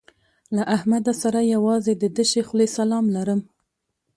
له احمد سره یوازې د تشې خولې سلام لرم.